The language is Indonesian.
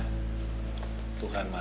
ppt pilih putra nasional